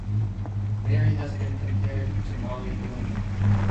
Mary has been compared to Molly Bloom.